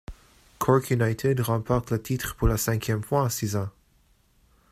Cork United remporte le titre pour la cinquième fois en six ans.